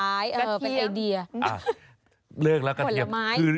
ไม่ใช่กะเทียม